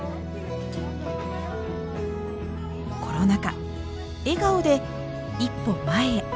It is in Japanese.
コロナ禍笑顔で一歩前へ。